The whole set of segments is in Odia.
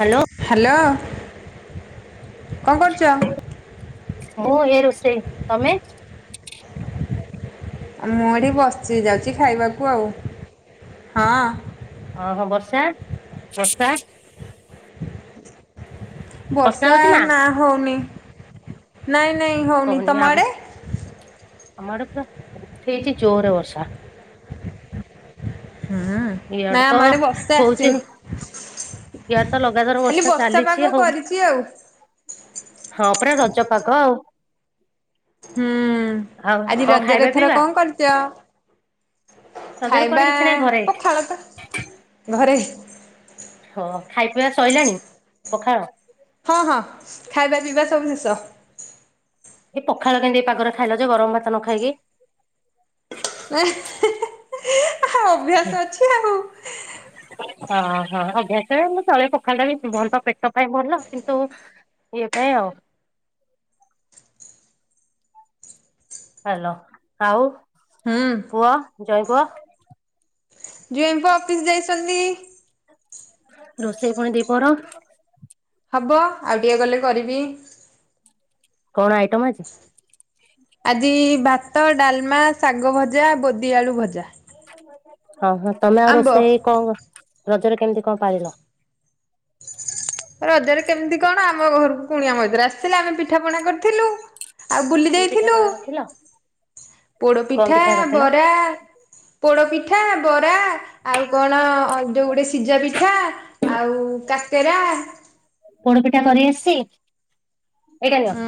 Hello hello. ମୁଁ ଏ ରୋଷେଇ ତମେ? ମୁଁ ଏଠି ବସିଚି ଯାଉଛି ଖାଇବାକୁ ଆଉ ହଁ। ଓ ହୋ ବର୍ଷା ବର୍ଷା। ବର୍ଷା ନା ହଉନି ନାଇ ନାଇ ହଉନି ତମ ଆଡ଼େ? ଆମ ଆଡେ ପୁରା ଉ-ଉଠେଇଛି ଜୋରେ ବର୍ଷା। ନା ଇଆଡେ ଆମ ତ ଆଡ଼େ ବର୍ଷା ହଉଛି। ଆସିନି ଇଆଡେ ତ ଲଗାତାର ଖାଲି ବର୍ଷା ପାଗ ଚାଲିଛି ଆଉ। କରିଛି ଆଉ ହଁ ପୁରା ରଜ ପାଗ ଆଉ। ହୁଁ ଆଉ ଆଜି କଣ ରଜରେ ଖାଇବା ଏଥର ପିଇବା କଣ କରୁଚ? ରଜରେ କୁଆଡେ ଖାଇବା କିଛି ନାହିଁ ଘରେ ପଖାଳ ତ ଘରେ। ହଁ ଖାଇ ପିଆ ସଇଲାଣି ପଖାଳ। ହଁ ହଁ ଖାଇବା ପିଇବା ସବୁ ଶେଷ। ଏ ପଖାଳ କେମିତି ଏ ପାଗରେ ଖାଇଲ ଯେ ଗରମ ଭାତ ନ ଖାଇକି? ଏ ହିଁ ହିଁ ଅଭ୍ୟାସ ଅଛି ଆଉ। ଓହୋ ଅଭ୍ୟାସେ ମୁଁ ତଳେ ପଖାଳଟା ବି ଉଁ ଭଲ ତ ପେଟ ପାଇଁ ଭଲ କିନ୍ତୁ। ଇଏ ପାଇଁ ଆଉ। ହାଲୋ ଆାଉ। ହୁଁ। ଜ୍ୱାଇଁ ପୁଅ। ଜ୍ୱାଇଁ ପୁଅ ଅଫିସ ଯାଇଛନ୍ତି। ରୋଷେଇ ପୁଣି ଦି ପହର। ହବ ଆଉ ଟିକେ ଗଲେ କରିବି। କଣ ଆଇଟମ ଆଜି? ଆଜି ଭାତ, ଡାଲମା, ଶାଗ ଭଜା, ବୋଦିଆଳୁ ଭଜା। ହଁ ହଁ ତମେ ଆଉ ଆମ୍ବ। ରୋଷେଇ କଣ ରଜରେ କେମିତି କଣ ପାଳିଲ? ରଜରେ କେମିତି କଣ ଆମ ଘରକୁ କୁଣିଆ ମୈତ୍ର ଆସିଥିଲେ ଆମେ ପିଠା ପଣା କରିଥିଲୁ। ଆଉ ବୁଲି କି ପିଠା ଯାଇଥିଲୁ। ପଣା ରଖିଲ କଣ ପୋଡପିଠା, ପିଠା କରିଥିଲ ବରା, ପୋଡପିଠା, ବରା। ଆଉ କଣ ଅ ଯୋଉ ଗୋଟେ ସିଝା ପିଠା ଆଉ କାକେରା। ପୋଡପିଠା କରି ଆସିଚି। ଉଁ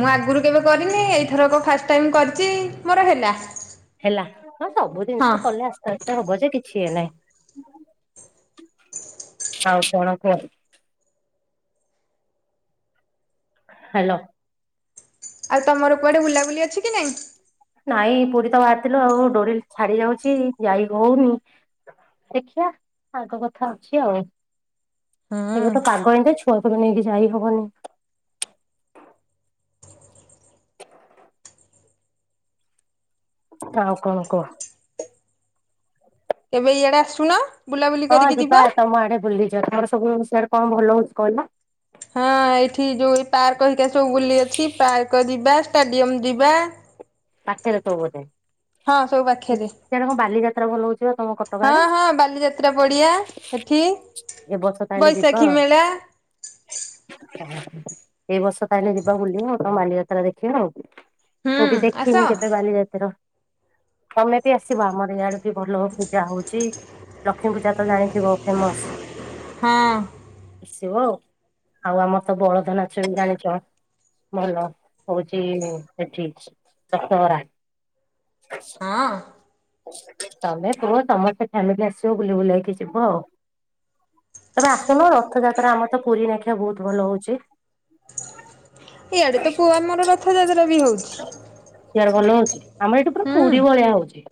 ମୁଁ ଆଗରୁ କେବେ କରିନି ଏଇଥରକ ଫା ଟାଇମ କରିଛି ମୋର ହେଲା। ହେଲା ହଁ ସବୁ ହଁ ଜିନିଷ କଲେ ଆସ୍ତେ ଆସ୍ତେ ହବ ଯେ କିଛି ଇଏ ନାହିଁ। ଆଉ କଣ କୁହ? ହାଲୋ। ଆଉ ତମର କୁଆଡେ ବୁଲାବୁଲି ଅଛି କି ନାଇଁ? ନାଇଁ ପୁରୀ ତ ବାହାରଥିଲୁ ଆଉ ଡୋରି ଛାଡି ଯାଉଛି ଯାଇ ହଉନି। ଦେଖିବା ଆଗ କଥା ଅଛି ଆଉ। ହଁ। ଏବେ ତ ପାଗ ଏମିତି ଛୁଆକୁ ବି ନେଇକି ଯାଇ ହବନି। [inaudible] ଆଉ କଣ କହ? କେବେ ଇଆଡେ ଆସୁନ ବୁଲାବୁଲି କରିକି ଯିବ? ଆ ତମର ସବୁ ସିଆଡ଼େ କଣ ଭଲ ହଉଛି କହିଲ? ହଁ ଏଇଠି ଯୋଉ ଏଇ ପାର୍କ ହରିକା ସବୁ ବୁଲି ଅଛି ପାର୍କ ଯିବା। ଷ୍ଟାଡିୟମ ଯିବା। ପାଖେରେ ଥିବ ବୋଧେ? ହଁ ସବୁ ପାଖରେ ସିଆଡେ କଣ ବାଲିଯାତ୍ରା ଭଲ ହଉଛି ବା ତମ କଟକ ହଁ ଆଡେ? ହଁ ବାଲିଯାତ୍ରା ପଡିଆ। ସେଠି। ଏ ବର୍ଷ ତାହଲେ ଯିବ। ଏଇ ବର୍ଷ ତାହେଲେ ଯିବା ବୁଲିବ ଆଉ ତମ ବାଲିଯାତ୍ରା ଦେଖିବ ଆଉ ହୁଁ ମୁଁ ବି ଦେଖ ଆସ। କେବେ ବାଲିଯାତ୍ର ତମେ ବି ଆସିବ ଆମର ଇଆଡକୁ ଭଲ ପୂଜା ହଉଛି ଲକ୍ଷ୍ମୀପୂଜା ତ ଜାଣିଥିବ ଫେମସ। ହଁ। ଆସିବ ଆଉ ଆମର ତ ବଳଦ ନାଚ ବି ଜାଣିଛ। ଭଲ ହଉଛି ସେଠି ଦଶହରା। ହଁ। ତମେ କୁହ ତମର ତ ଫ୍ୟାମିଲି ଆସିବ ବୁଲି ବୁଲା ହେଇକି ଯିବ ଆଉ। ତମେ ଆସୁନ ରଥଯାତ୍ରା ଆମର ତ ପୁରୀ ନାଖିଆ ବହୁତ ଭଲ ହଉଛି। ଏଇଆଡେ ତ ପୁଅ ଆମର ରଥଯାତ୍ରା ବି ହଉଛି। ସିଆଡ଼େ ଭଲ ହଉଛି ଆମର ଏଇଠି ପୁରା ହୁଁ ପୁରୀ ଭଳିଆ ହଉଛି।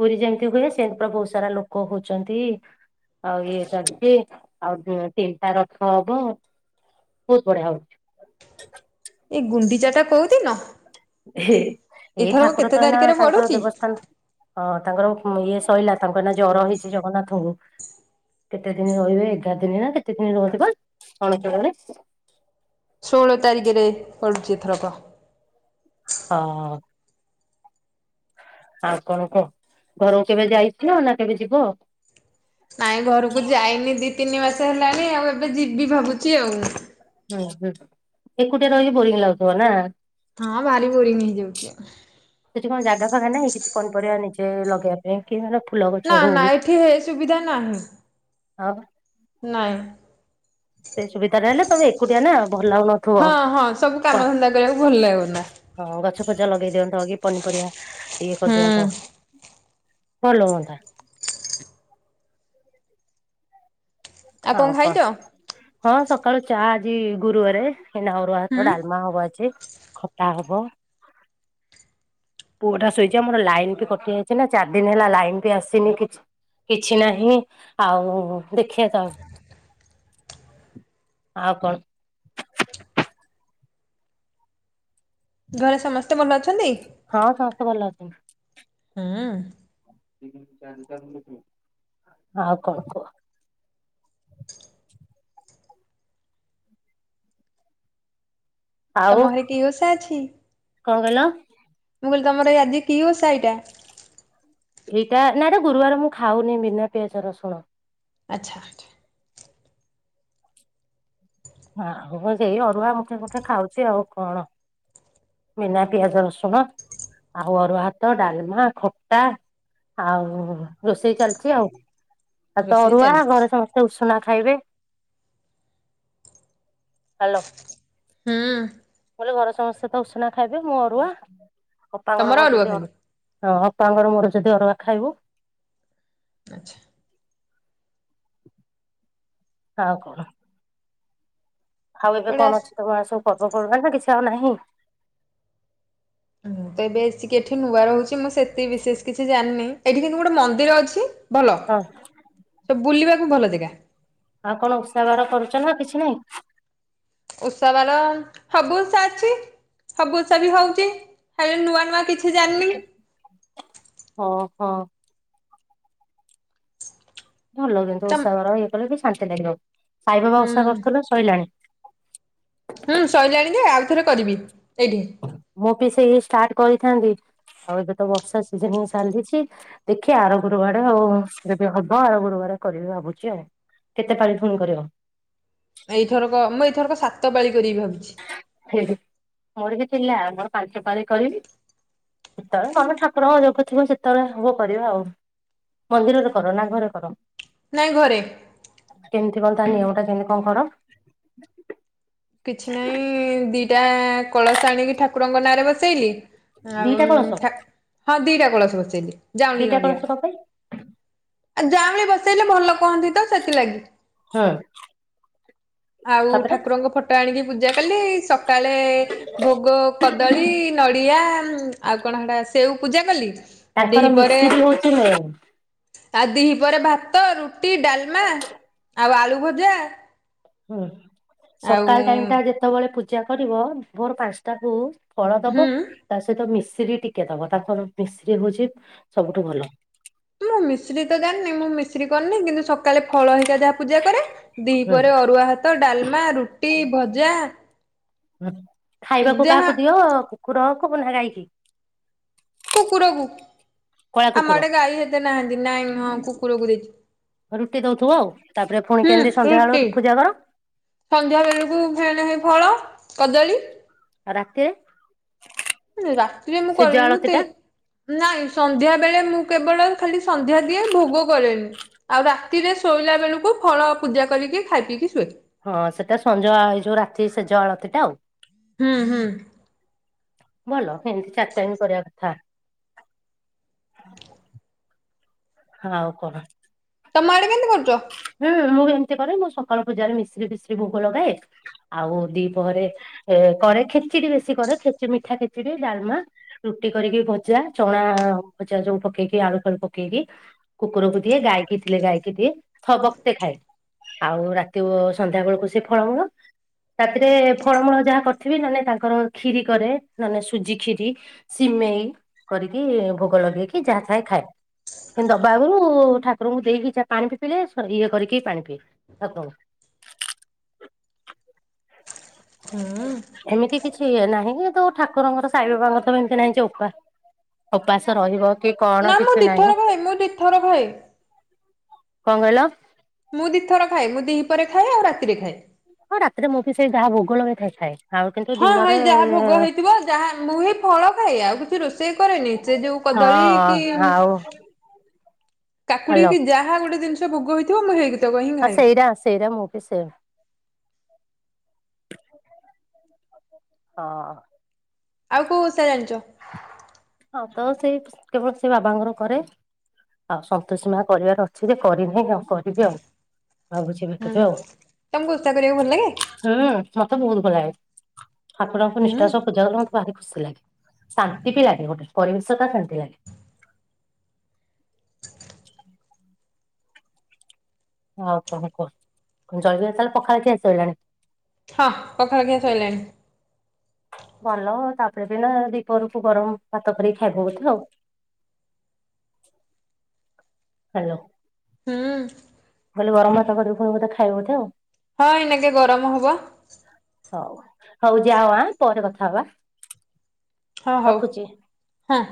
ପୁରୀ ଯେମିତି ହୁଏ ସେମିତି ବହୁତ ସାରା ଲୋକ ହଉଛନ୍ତି। ଆଉ ଇଏ ଚାଲିଛି ଆଉ ତିନିଟା ରଥ ହବ। ବହୁତ ବଢିଆ ହଉଛି। ଏଇ ଗୁଣ୍ଡିଚାଟା କଉଦିନ। ଏ ଏଇ ଠାକୁର ତ ଏ ନା ତାଙ୍କର ପଡୁଛି? ଦେବସ୍ଥାନ ହଁ ହଁ ତାଙ୍କର ଇଏ ସଇଲା ତାଙ୍କର ଏ ନା ଜର ହେଇଛି ଜଗନ୍ନାଥଙ୍କୁ। କେତେ ଦିନ ରହିବେ ଏଗାର ଦିନ ନା କେତେ ଦିନ ରୁହନ୍ତି ପା ଅଣସର ଘରେ। ଷୋହଳ ତାରିଖରେ ପଡ଼ୁଚି ଏଥରକ। ହଁ। ଆଉ କଣ କହ ଘରକୁ କେବେ ଯାଇଥିଲ ନା କେବେ ଯିବ। ନାଇଁ ଘରକୁ ଯାଇନି ଦି ତିନି ମାସେ ହେଲାଣି ଆଉ ଏବେ ଯିବି ଭାବୁଛି ଆଉ। ହୁଁ ହୁଁ ଏକୁଟିଆ ରହିି ବୋରିଂ ଲାଗୁଥିବ ନା। ହଁ ଭାରି ବୋରିଂ ହେଇଯାଉଛି। ସେଠି କଣ ଜାଗା ଫାଗା ନାହିଁ କିଛି ପନିପରିବା ନିଜେ ଲଗେଇ ପାଇଁ କି ମ ନା ନା ଏଠି ହେ ସୁବିଧା ନାହିଁ। ଆଉ। ନାଇଁ। ସେଇ ସୁବିଧାରେ ହେଲେ ତମେ ଏକୁଟିଆ ନା ଭଲ ଲାଗୁନଥିବ ହଁ ହଁ ସବୁ କାମ ଧନ୍ଦା କରିବାକୁ ଭଲ ଲାଗୁନା ହଁ ଗଛ ପଛ ଲଗେଇଦିଅନ୍ତୁ କି। ପନିପରିବା ଇଏ ହୁଁ କରିଦିଅନ୍ତ। ଭଲ ହୁଅନ୍ତା। ଆଉ କଣ ହଉ କହ ଖାଇଛ? ହଁ ସକାଳୁ ଚା ଆଜି ଗୁରୁବାରେ। ନା ଅରୁଆ ହାତ ହୁଁ ଡାଲମା ହବ ଆଜି ଖଟା ହବ। ପୁଅଟା ଶୋଇଛି ଆମର ଲାଇନ ବି କଟି ଯାଇଛି ନା ଚାରି ଦିନ ହେଲା ଲାଇନ ବି ଆସିନି କିଛି। କିଛି ନାହିଁ ଆଉ ଦେଖିବା ତ ଆଉ। ଆଉ କଣ? ଘରେ ସମସ୍ତେ ଭଲ ଅଛନ୍ତି। ହଁ ସମସ୍ତେ ଭଲ ଅଛନ୍ତି। ହୁଁ। ଆଉ କଣ କୁହ। ଆଉ ତମ ଘରେ କି ଓଷା ଅଛି। କଣ କହିଲ? ମୁଁ କହିଲି ତମର ଏଇ ଆଜି କି ଓଷା ଏଇଟା? ଏଇଟା ନା ଏଟା ଗୁରୁବାର ମୁଁ ଖାଉନି ବିନା ପିଆଜ ରସୁଣ। ଆଚ୍ଛା। ଆ ହଉ ସେଇ ଅରୁଆ ଗୋଟେ ଗୋଟେ ଖାଉଛି ଆଉ କଣ। ବିନା ପିଆଜ ରସୁଣ ଆଉ ଅରୁଆ ଭାତ ଡାଲମା ଖଟା ଆଉ ରୋଷେଇ ଚାଲିଛି ଆଉ । ଆ ତ ରୋଷେଇ ଅରୁଆ ଚାଲିଛି ଘରେ ସମସ୍ତେ ଉଷୁନା ଖାଇବେ। ହାଲୋ! ହୁଁ। ଘରେ ସମସ୍ତେ ତ ଉଷୁନା ଖାଇବେ ମୁଁ ଅରୁଆ। ବାପାଙ୍କର ତମର ମର ଅରୁଆ ଯଦି ଖାଲି ଅରୁଆ ହଁ ବାପାଙ୍କର ମୋର ଯଦି ଅରୁଗ ଖାଇବୁ ଆଚ୍ଛା। ଆଉ କଣ! ଆଉ ଏବେ କୁଆଡେ ଆସ କଣ ଅଛି ତମର ସବୁ ପର୍ବପର୍ବାଣି ନା କିଛି ଆଉ ନାହିଁ? ମୁଁ ତ ଏବେ ଆସିକି ଏଠି ନୂଆ ରହୁଛି ମୁଁ ସେତିକି ବିଶେଷ କିଛି ଜାଣିନି। ଏଠି କିନ୍ତୁ ଗୋଟେ ମନ୍ଦିର ଅଛି। ଭଲ ହଁ ସେ ବୁଲିବାକୁ ଭଲ ଜାଗା। ଆଉ କଣ ଉଷା ବାାର କରୁଛ ନା କିଛି ନାହିଁ? ଉତ୍ସବ ର ସବୁ ଉଷା ଅଛି ସବୁ ଉଷା ବି ହଉଛି। ହେଲେ ନୂଆ ନୂଆ କିଛି ଜାଣିନି। ଓ ହୋ। ଭଲ କିନ୍ତୁ ତ ଓଷା କର ଇଏ କଲେ ଶାନ୍ତି ଲାଗିବ ସାଇବାବା ହୁଁ ଓଷା କରୁଥିଲେ ସରିଲାଣି। ରେ କରିବି। ଏଇଠି। ମୁଁ ବି ସେ ଷ୍ଟାର୍ଟ କରିଥାନ୍ତି ଆଉ ଏବେ ତ ବର୍ଷା ସିଜନ ହି ଚାଲିଛି ଦେଖିବା ଆର ଗୁରୁବାର ଆଉ। ହବ ଆର ଗୁରୁବାର କରିବି ଭାବୁଛି ଆଉ କେତେ ପାଣି ଫୁଲ୍ କରିବ? ଏଇଥରକ ମୁଁ ଏଇଥରକ ସାତ ପାଳି କରିବି ଭାବୁଛି ମୋରିକ ଥିଲା ମୋର ପାଞ୍ଚ ପାଳି କରିବି ସେତେବେଳେ ତମେ ଠାକୁରଙ୍କ ଯୋଗ ଥିବ ସେତେବେଳେ ହବ କରିବା ଆଉ। ମନ୍ଦିରରେ କର ନା ଘରେ କର? ନାଇଁ ଘରେ। [unintelligible] କିଛି ନାହିଁ ଦିଟା କଳସ ଆଣିକି ଠା ଠାକୁରଙ୍କ ନାଁରେ ବସେଇଲି ଆଉ ଦିଟା କଳସ ହଁ ଦିଟା କଳସ ବସେଇଲି। ଯାଉଁଳି ଦିଇଟା ନଡିଆ। କଳସ କଣ ପାଇଁ? ଆଉ ଯାହା ବି ବସେଇଲେ ଭଲ । କହନ୍ତି ତ ସେଥିଲାଗି ହୁଁ ଆଉ ତାପରେ ଠାକୁରଙ୍କ ଫଟୋ ଆଣିକି ପୂଜା କଲି ସକାଳେ ଭୋଗ, କଦଳୀ, ନଡିଆ ଆଉ କଣ ହେଟା ସେଉ ପୂଜା କଲି? ତାଙ୍କର ମିସ୍ତ୍ରୀ ହଉଛି ମୁଁ। ତା ଦିହି ପରେ ଭାତ, ରୁଟି, ଡାଲମା ଆଉ ଆଳୁ ଭଜା ହୁଁ ଆଉ ସକାଳ ଟାଇମ ଟା ଯେତେବେଳେ ପୂଜା କରିବ ଭୋର ପାଞ୍ଚଟାକୁ ଫଳ ହୁଁ ଦବ ତା ସହିତ ମିଶ ମିଶ୍ରୀ ଟିକେ ଦବ ତା କ ମିଶ୍ରୀ ହଉଛି ସବୁଠୁ ଭଲ ମୁଁ ମିଶ୍ରୀ ତ ଜାଣିନି ମୁଁ ମିଶ୍ରୀ କରିନି କିନ୍ତୁ ସକାଳେ ଫଳ ହେଇକା ଯାହା ପୂଜା କରେ। ଦ୍ଵିି ହୁଁ ପରେ ଅରୁଆ ଭାତ, ଡାଲମା, ରୁଟି, ଭଜା ଖାଇବାକୁ ଯାହା କାହାକୁ ଦିଅ କୁକୁର କୁ ନା ଗାଇକି? କୁକୁରକୁ ଆମ କୁକୁର ଆଡ଼େ ଗାଈ ହେତେ ନାହାନ୍ତି ନାଇଁ ହଁ କୁକୁରକୁ ଦେଇଛି ରୁଟି ଦଉଥିବୁ ଆଉ ତାପରେ ପୁଣି କେମତି ହୁଁ ରୁଟି ସନ୍ଧ୍ୟାବେଳୁ ପୂଜା କର ସନ୍ଧ୍ୟା ବେଳକୁ ଫେଣ ହ ଫଳ କଦଳୀ ଆଉ ରାତିରେ? ରାତିରେ ମୁଁ ସେଜ କରନି ମୁ ଆଳତି ଟା ନାଇଁ ସନ୍ଧ୍ୟା ସେବେଳେ ମୁଁ କେବଳ ଖାଲି ସନ୍ଧ୍ୟା ଦିଏ ଭୋଗ କରେନି ଆଉ ରାତିରେ ଶୋଇଲା ବେଳକୁ ଫଳ ପୂଜା କରିକି, ଖାଇ ପିକି ହଁ ସେଟା ସଞ୍ଜ ଏଇ ଯୋଉ ରାତି ସେଜ ଅଳତିଟା ଆଉ। ହୁଁ ହୁଁ। ଭଲ ଏମିତି ଚାରିଟାଇମ୍ କରିବା କଥା। ହଁ ଆଉ କଣ? ତମ ଆଡ଼େ କେମତି କରୁଛ? ହଁ ମୁଁ ବି ଏମିତି କରେ ମୁଁ ସକାଳ ପୂଜାରେ ମିଶ୍ରି ଫିଶ୍ରି ଭୋକ ଲଗାଏ ଆଉ ଦିପହରେ କରେ ଖେଚିଡି ବେଶୀ କରେ ଖେଚିଡ଼ି ମିଠା ଖେଚିଡି ଡାଲମା ରୁଟି କରିକି ଭଜା ଚଣା ଚା ସବୁ ପକେଇକି ଆଳୁ ଫାଳୁ ପକେଇକି କୁକୁରକୁ ଦିଏ ଗାଇକି ଥିଲେ ଗାଇକି ଦିଏ। ଥ ବକ୍ତେ ଖାଏ ଆଉ ରାତି ସନ୍ଧ୍ୟା ବେଳକୁ ସେ ଫଳମୂଳ। ରାତିରେ ଫଳମୂଳ ଯାହା କରିଥିବି ନ ହେଲେ ତାଙ୍କର ଖୀରି କରେ ନାନେ ସୁଜି ଖୀରି ସି ସିମେଇ କରିକି ଭୋଗ ଲଗେଇକି ଯାହା ଥାଏ ଖାଏ। କି ଦବା ଆଗରୁ ଠାକୁରଙ୍କୁ ଦେଇକି ଯ ପାଣି ପି ପିଇଲେ ଇଏ କରିକି ପାଣି ପିଇଏ ଠାକୁରଙ୍କୁ। ହୁଁ। ଏ ନାହିଁ କି ତୋ ଠାକୁରଙ୍କର ସାଇ ବାବାଙ୍କ ତ ଏମିତି ନାହିଁ ଯେ ଉପାସ ଉପାସ ରହିବ। କି କଣ ନା ମୁଁ କିଛି ନାହିଁ ଦିଥର ଖାଏ ମୁଁ ଦିଥର ଖାଏ। କଣ କହିଲ? ମୁଁ ଦିଇ ଥର ଖାଏ ମୁଁ ଦିହି ପରେ ଖାଏ ଆଉ ରାତିରେ ଖାଏ। ହଁ ରାତିରେ ମୁଁ ବି ସେଇ ଯାହା ଭୋଗ ଲଗେ ଇଥା ଖାଏ। ଆଉ କିନ୍ତୁ ହଁ ଦିନରେ ହେଇ ଯାହା ଭୋଗ ହେଇଥିବ ଯାହା ମୁଁ ହିଁ ଫଳ ଖାଇଏ ଆଉ କିଛି ରୋଷେଇ ସେ କରେନି ସେ ଯୋଉ ହଁ କଦଳୀ କି ଆଉ କାକୁଡି ହ୍ୟାଲୋ କି ଯାହା ଗୋଟେ ଜିନିଷ ଭୋଗ ହେଇଥିବ ମୁଁ ହେଇକିି ହଁ ସେଇରା ସେଇରା ମୁଁ ବିି ସେଇ ହଁ। ଆଉ କୋଉ ଓସା ଜାଣିଛ? ହଁ ତ ସେଇ କେବଳ ସେ ବାବାଙ୍କର କରେ। ଆଉ ସନ୍ତୋଷୀ ମା କରିବାର ଅଛି ଯେ କରିନାହିଁ ଆଉ କରିବି ଆଉ। ଭାବୁଛିି ଏବେ ହୁଁ କେବେ ଆଉ ତମକୁ ଓଷା କରିବାକୁ ଭଲ ଲାଗେ? ହୁଁ। ମତେ ବହୁତ ଭଲ ଲାଗେ ଠାକୁରଙ୍କୁ ହୁଁ ନିଷ୍ଠାର ସହ ପୂଜା କଲେ ମତେ ଭାରି ଖୁସି ଲାଗେ ଶାନ୍ତି ବି ଲାଗେ। ଏ ଗୋଟେ ପରିବେଶଟା କେମିତି ଲାଗେ? ଆଉ କଣ କୁହ ଜଲଦି ତାହଲେ ପଖାଳ ଖୀଆ ସରିଲାଣି? ହଁ ପଖାଳ ଖିଆ ସଇଲାଣି। ଭଲ ତାପରେ ଦିନ ଦୁଇ ପହରକୁ ଗରମ ଭାତ କରିକି ଖାଇବ ବୋଧେ ଆଉ। ହ୍ୟାଲୋ। ହୁଁ ଖାଲି ଗରମ ଭାତ କରିପୁଣି ଖାଇବ ବୋଧେ ଆଉ। ହଁ ଏନାକେ ଗରମ ହବ। ହଉ ହଉ ଯାଅ ଆଁ ପରେ କଥା ହବା। ହଁ ହଉ ରଖୁଚି। ହଁ।